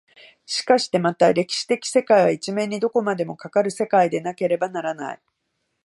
しかしてまた歴史的世界は一面にどこまでもかかる世界でなければならない。